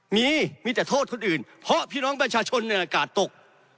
มีมีแต่โทษทุกที่อื่นเพราะพี่น้องประชาชนในอากาศตก